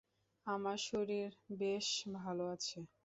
আমার শরীর বেশ ভাল আছে।